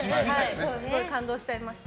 すごい感動しちゃいました。